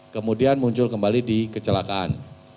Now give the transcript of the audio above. kemudian muncul kembali di kecelakaan